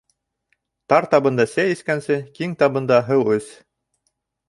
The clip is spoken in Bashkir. Тар табында сәй эскәнсе, киң табында һыу эс.